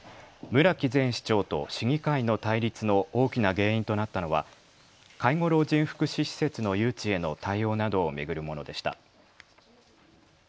村木前市長と市議会の対立の大きな原因となったのは介護老人福祉施設の誘致への対応などを巡るものでした。